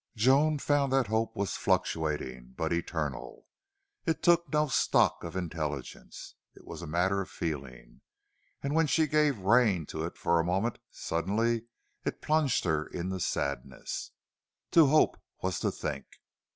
Joan found that hope was fluctuating, but eternal. It took no stock of intelligence. It was a matter of feeling. And when she gave rein to it for a moment, suddenly it plunged her into sadness. To hope was to think!